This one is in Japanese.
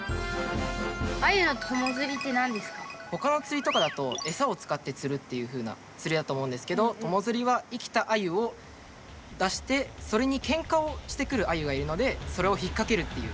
ほかのつりとかだとエサを使ってつるっていうふうなつりだと思うんですけど友づりは生きたアユを出してそれにケンカをしてくるアユがいるのでそれを引っかけるっていう。